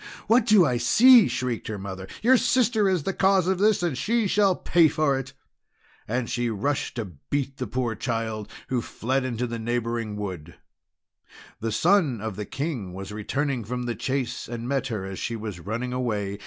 "What do I see!" shrieked her mother. "Your sister is the cause of this, and she shall pay for it!" And she rushed to beat the poor child, who fled into the neighbouring wood. The son of the King was returning from the chase, and met her as she was running away.